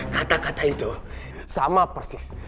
kata kata itu sama persis